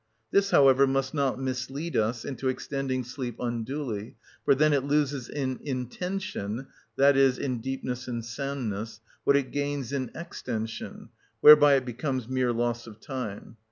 This, however, must not mislead us into extending sleep unduly, for then it loses in intension, i.e., in deepness and soundness, what it gains in extension; whereby it becomes mere loss of time.